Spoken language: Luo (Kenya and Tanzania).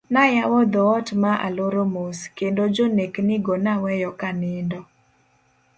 Nayawo dhoot ma aloro mos ,kendo jonek ni go naweyo kanindo.